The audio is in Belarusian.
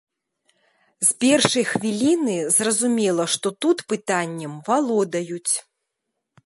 З першай хвіліны зразумела, што тут пытаннем валодаюць.